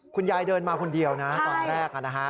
คุณยายเดินมาคนเดียวกันตอนแรก